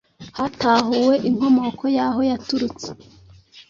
hatahuwe inkomoko y’aho yaturutse